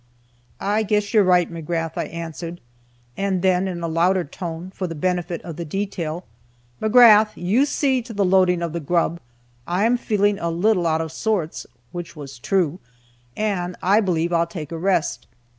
"I guess you're right, McGrath," I answered, and then, in a louder tone, for the benefit of the detail, "McGrath, you see to the loading of the grub. I am feeling a little out of sorts," (which was true,) "and I believe I'll take a rest."